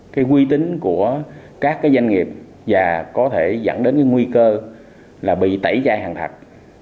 cái quy tính của các doanh nghiệp và có thể dẫn đến cái nguy cơ là bị tẩy chai hàng thật